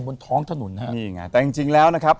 บนท้องถนนฮะนี่ไงแต่จริงแล้วนะครับ